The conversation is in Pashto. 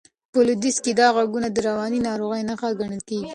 په لوېدیځ کې دا غږونه د رواني ناروغۍ نښه ګڼل کېږي.